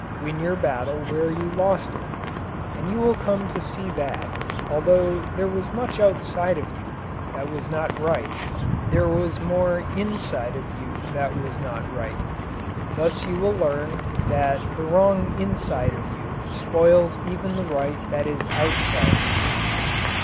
Win your battle where you lost it. And you will come to see that, although there was much outside of you that was not right, there was more inside of you that was not right. Thus you will learn that the wrong inside of you spoils even the right that is outside of you.